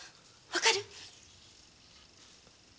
分かる？